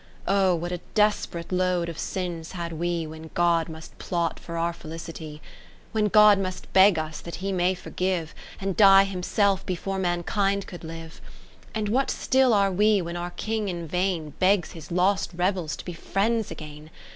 10 Oh ! what a desp'rate load of sins had we, When God must plot for our felicity ! When God must beg us that He may forgive, And die Himself before Mankind could live ! And what still are we, when our King in vain Begs His lost rebels to be friends again